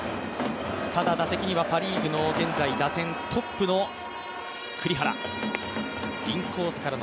ただ打席にはパ・リーグの打点トップの栗原。